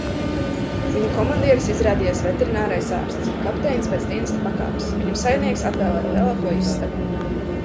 Viņu komandieris izrādījās veterinārais ārsts, kapteinis pēc dienesta pakāpes, viņam saimnieks atvēlēja lielāko istabu.